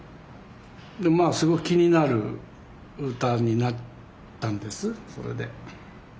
すごい気になる歌になったんですそれで。